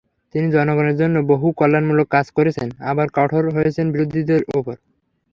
তিনি জনগণের জন্য বহু কল্যাণমূলক কাজ করেছেন, আবার কঠোর হয়েছেন বিরোধীদের ওপর।